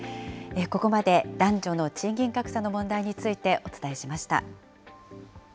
ここまで、男女の賃金格差の問題についてお伝えしました。